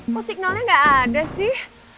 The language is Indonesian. kok signalnya gak ada sih